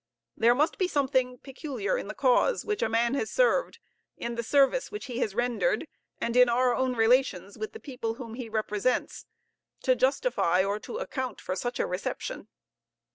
There must be something peculiar in the cause which a man has served, in the service which he has rendered, and in our own relations with the people whom he represents, to justify or to account for such a reception.